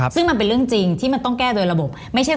ซึ่งมันเป็นเรื่องจริงที่มันต้องแก้โดยระบบ